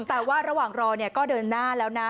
แต่ว่าระหว่างรอก็เดินหน้าแล้วนะ